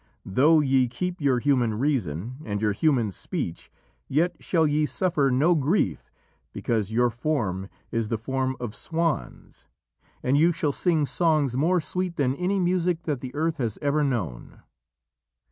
Though ye keep your human reason and your human speech, yet shall ye suffer no grief because your form is the form of swans, and you shall sing songs more sweet than any music that the earth has ever known."